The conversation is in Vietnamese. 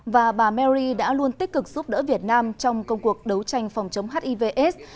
và bà mary đã luôn tích cực giúp đỡ việt nam trong công cuộc đấu tranh phòng chống hivs